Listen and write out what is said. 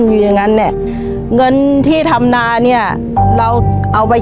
ชีวิตหนูเกิดมาเนี่ยอยู่กับดิน